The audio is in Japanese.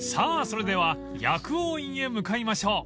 それでは薬王院へ向かいましょう］